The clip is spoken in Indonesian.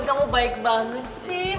kamu baik banget sih